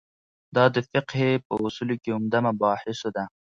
دا د فقهې په اصولو کې عمده مباحثو ده.